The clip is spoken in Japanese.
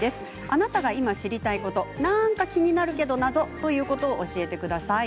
あなたが今、知りたいこと何か気になるけど謎ということを教えてください。